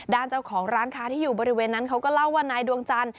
ด้านเจ้าของร้านค้าที่อยู่บริเวณนั้นเขาก็เล่าว่านายดวงจันท